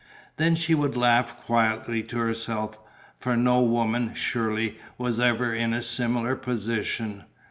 Then she would laugh quietly to herself, for no woman, surely, was ever in a similar position.